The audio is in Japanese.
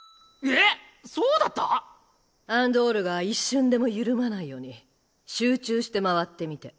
えっそうだった⁉アン・ドゥオールが一瞬でも緩まないように集中して回ってみて。